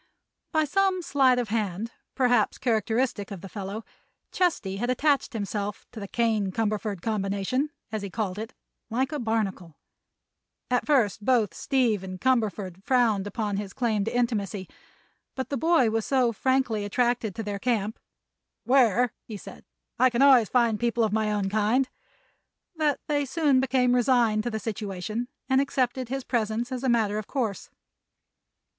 By some sleight of hand, perhaps characteristic of the fellow, Chesty had attached himself to the "Kane Cumberford Combination," as he called it, like a barnacle. At first both Steve and Cumberford frowned upon his claim to intimacy, but the boy was so frankly attracted to their camp, "where," said he, "I can always find people of my own kind," that they soon became resigned to the situation and accepted his presence as a matter of course.